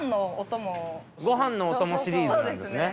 ごはんのおともシリーズなんですね